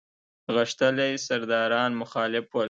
غښتلي سرداران مخالف ول.